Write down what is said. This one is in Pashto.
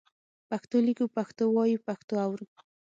پښتو لیکو، پښتو وایو، پښتو اورو.